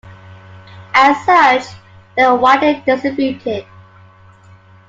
As such, they were widely distributed.